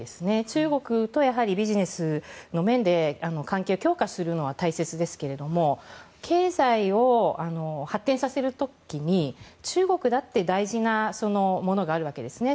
中国とビジネスの面で関係を強化するのは大切ですが経済を発展させる時に中国だって大事なものがあるわけですね。